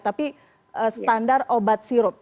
tapi standar obat sirup